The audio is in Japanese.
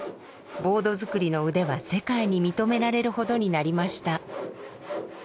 ボード作りの腕は世界に認められるほどになりました。